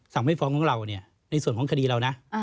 ไม่ฟ้องของเราเนี่ยในส่วนของคดีเรานะ